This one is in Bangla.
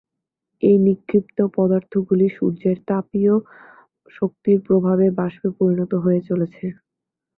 এই নিক্ষিপ্ত পদার্থগুলি সূর্যের তাপীয় শক্তির প্রভাবে বাষ্পে পরিণত হয়ে চলেছে।